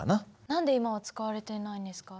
何で今は使われていないんですか？